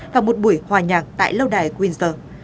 và một buổi hòa nhạc tại lâu đài windsor